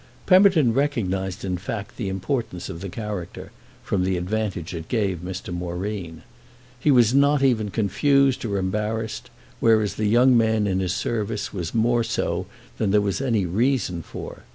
Pemberton recognised in fact the importance of the character—from the advantage it gave Mr. Moreen. He was not even confused or embarrassed, whereas the young man in his service was more so than there was any reason for.